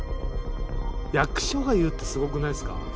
役所が言うってすごくないですか。